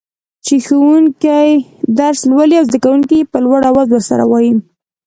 چي ښوونکي درس لولي او زده کوونکي يي په لوړ اواز ورسره وايي.